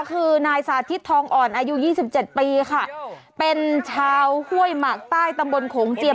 คือนายสาธิตทองอ่อนอายุยี่สิบเจ็ดปีค่ะเป็นชาวห้วยหมากใต้ตำบลโขงเจียม